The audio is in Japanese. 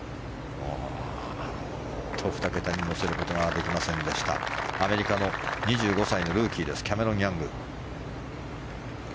２桁に乗せることができませんでしたアメリカの２５歳のルーキーキャメロン・ヤング。